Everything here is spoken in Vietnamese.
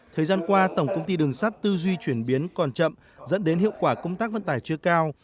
thời gian qua tổng công ty đường sắt tư duy chuyển biến còn chậm dẫn đến hiệu quả công tác vận tải chưa cao